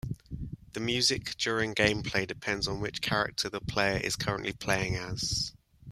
The music during gameplay depends on which character the player is currently playing as.